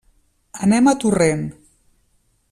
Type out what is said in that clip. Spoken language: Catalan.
Anem a Torrent.